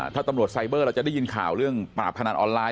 ถ้าตำรวจไซเบอร์เราจะได้ยินข่าวเรื่องปราบพนันออนไลน